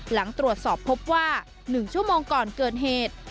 หลังตรวจสอบพบว่า๑ชั่วโมงก่อนเกิดเหตุ